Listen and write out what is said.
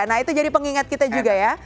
nah itu jadi pengingat kita juga ya